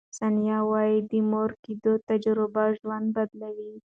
ثانیه وايي، د مور کیدو تجربې ژوند بدلوي.